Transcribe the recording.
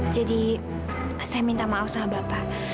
jadi saya minta maaf sama bapak